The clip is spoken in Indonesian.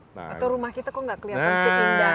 atau rumah kita kok nggak kelihatan seindah